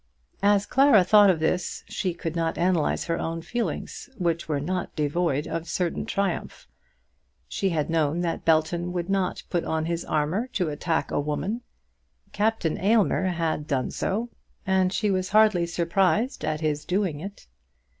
As Clara thought of this, she could not analyse her own feelings, which were not devoid of a certain triumph. She had known that Belton would not put on his armour to attack a woman. Captain Aylmer had done so, and she was hardly surprised at his doing it.